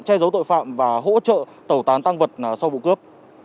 che giấu tội phạm và hỗ trợ tẩu tán tăng vật sau vụ cướp